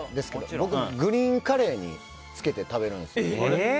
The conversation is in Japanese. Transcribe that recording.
僕、グリーンカレーにつけて食べるんですけど。